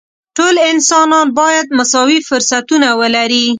ټول انسانان باید مساوي فرصتونه ولري.